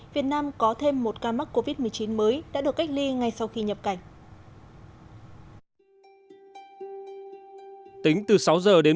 việt nam có thêm một ca mắc covid một mươi chín mới đã được cách ly ngay sau khi nhập cảnh